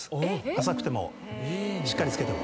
浅くてもしっかり漬けても。